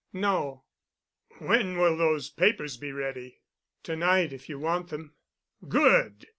"No." "When will those papers be ready?" "To night, if you want them." "Good!"